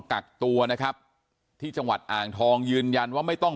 กักตัวนะครับที่จังหวัดอ่างทองยืนยันว่าไม่ต้อง